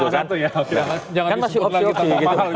kan masih opsi opsi